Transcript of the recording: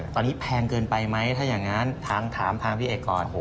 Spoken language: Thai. ตอนนี้แพงเกินไปไหมถ้าอย่างนั้นถามทางพี่เอกก่อน